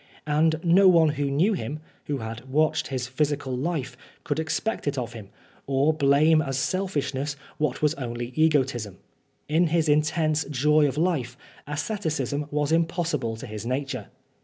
And no one who knew him, who had watched his physical life, could expect it of him, or blame as selfishness what was only egotism. In his intense joy of life, asceticism was impossible to his nature.